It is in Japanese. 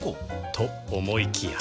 と思いきや